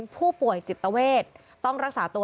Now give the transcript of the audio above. ผู้ป่วยจิตเวทต้องรักษาตัว